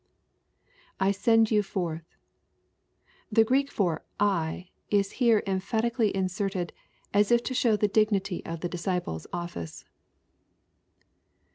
[/ send you forth,] The Greek for " I" is here emphatically inserted, as if to show the dignity o^the disciple's office.